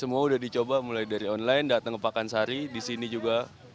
semua udah dicoba mulai dari online datang ke pakansari disini juga